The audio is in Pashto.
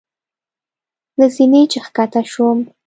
له زینې چې ښکته شوم.